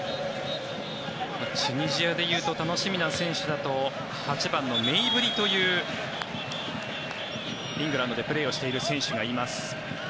チュニジアでいうと楽しみな選手だと８番のメイブリというイングランドでプレーしている選手がいます。